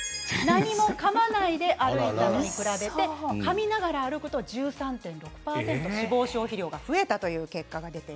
何もかまないで歩いた人に比べてかみながら歩くと１３．６％脂肪消費量が増えた